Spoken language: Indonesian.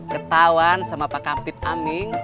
ketauan sama pak captit aming